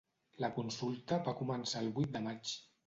La consulta va començar el vuit de maig.